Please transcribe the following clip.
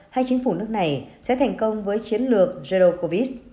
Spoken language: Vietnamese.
hay chính phủ nước này sẽ thành công với chiến lược dây đô covid